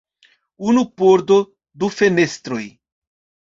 Unu pordo, du fenestroj.